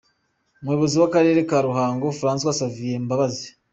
Umuyobozi w’Akarere ka Ruhango Francois Xavier Mbabazi .